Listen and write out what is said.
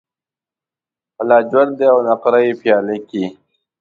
په لاجوردی او نقره یې پیاله کې